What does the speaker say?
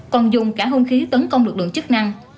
còn dùng cả hôn khí tấn công lực lượng chức năng